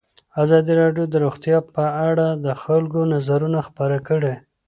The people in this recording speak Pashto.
ازادي راډیو د روغتیا په اړه د خلکو نظرونه خپاره کړي.